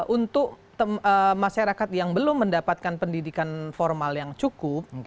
untuk masyarakat yang belum mendapatkan pendidikan formal yang cukup